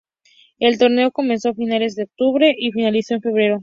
El torneo comenzó a finales de octubre y finalizó en febrero.